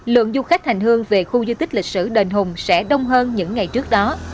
lượng du khách hành hương về khu di tích lịch sử đền hùng sẽ đông hơn những ngày trước đó